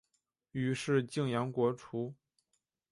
于是泾阳国除。